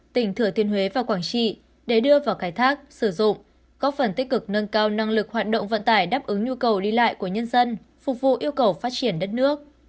tỉnh thừa thiên huế và quảng trị để đưa vào khai thác sử dụng có phần tích cực nâng cao năng lực hoạt động vận tải đáp ứng nhu cầu đi lại của nhân dân phục vụ yêu cầu phát triển đất nước